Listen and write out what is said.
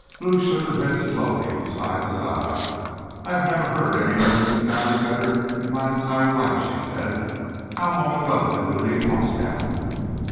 Lou shook her head slowly from side to side. "I have never heard any news that sounded better in my entire life," she said. "How long ago did we leave Moscow?"